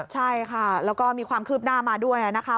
ใช่ค่ะแล้วก็มีความคืบหน้ามาด้วยนะคะ